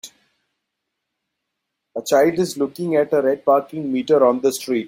A child is looking at a red parking meter on the street.